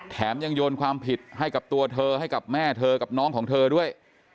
แถมยังโยนความผิดให้กับตัวเธอให้กับแม่เธอกับน้องของเธอด้วย